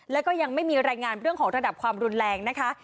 แล้วก็ยังไม่มีรายงานเรื่องของระดับความรุนแรงนะคะ